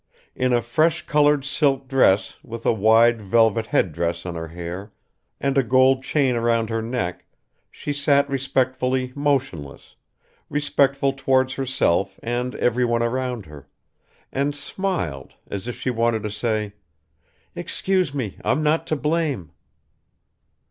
In a fresh colored silk dress with a wide velvet headdress on her hair, and a gold chain round her neck, she sat respectfully motionless, respectful towards herself and everyone around her, and smiled, as if she wanted to say: "Excuse me, I'm not to blame."